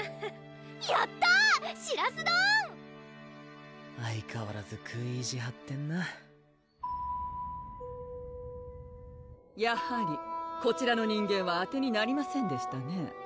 やったしらす丼相かわらず食い意地はってんなやはりこちらの人間はあてになりませんでしたね